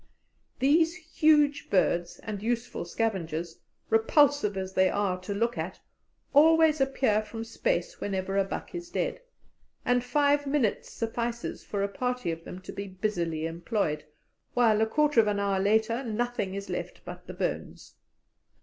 These huge birds and useful scavengers, repulsive as they are to look at, always appear from space whenever a buck is dead, and five minutes suffices for a party of them to be busily employed, while a quarter of an hour later nothing is left but the bones.